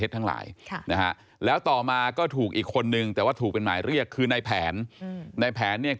เจ๊บ้าบิลคือแม้ค้าขายสลากกินแบบรัฐบาล